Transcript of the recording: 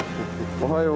おはよう。